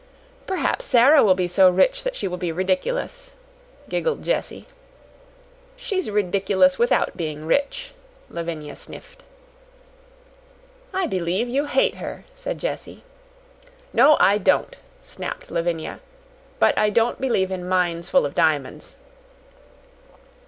"Perhaps Sara will be so rich that she will be ridiculous," giggled Jessie. "She's ridiculous without being rich," Lavinia sniffed. "I believe you hate her," said Jessie. "No, I don't," snapped Lavinia. "But I don't believe in mines full of diamonds."